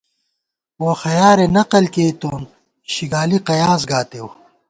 ووخیارےنقل کېئیتوں ، شِگالی قیاس گاتېؤ